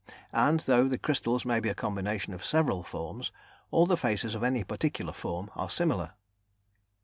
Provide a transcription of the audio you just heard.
and though the crystals may be a combination of several forms, all the faces of any particular form are similar.